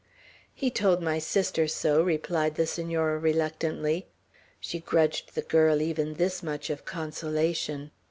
"He told my sister so," replied the Senora, reluctantly. She grudged the girl even this much of consolation.